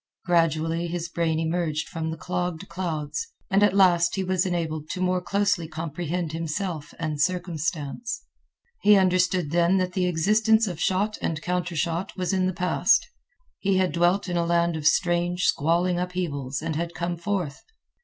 Gradually his brain emerged from the clogged clouds, and at last he was enabled to more closely comprehend himself and circumstance. He understood then that the existence of shot and countershot was in the past. He had dwelt in a land of strange, squalling upheavals and had come forth.